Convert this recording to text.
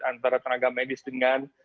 antara tenaga medis dengan